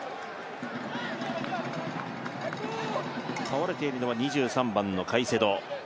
倒れているのは２３番のカイセド。